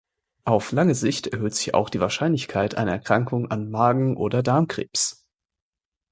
Auf lange Sicht erhöht sich auch die Wahrscheinlichkeit einer Erkrankung an Magenoder Darmkrebs.